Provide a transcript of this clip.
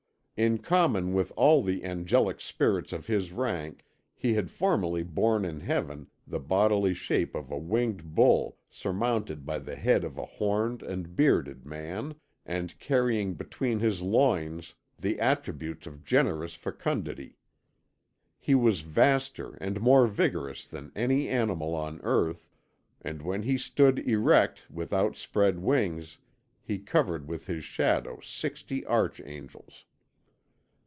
In common with all the angelic spirits of his rank he had formerly borne in Heaven the bodily shape of a winged bull surmounted by the head of a horned and bearded man, and carrying between his loins the attributes of generous fecundity. He was vaster and more vigorous than any animal on earth, and when he stood erect with outspread wings he covered with his shadow sixty archangels.